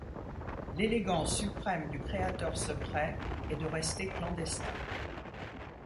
L'élégance suprême du créateur secret est de rester clandestin.